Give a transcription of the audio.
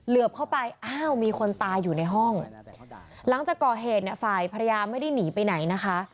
เหลือบเข้าไปอ้าวมีคนตายอยู่ในห้องหลังจากก่อเหตุเนี่ยฝ่ายภรรยาไม่ได้หนีไปไหนนะคะ